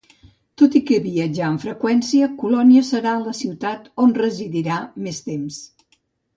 Tot i que viatjà amb freqüència, Colònia serà la ciutat on residirà més temps.